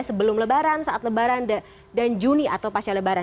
sebelum lebaran saat lebaran dan juni atau pasca lebaran